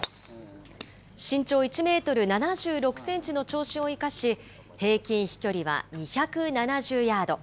身長１メートル７６センチの長身を生かし、平均飛距離は２７０ヤード。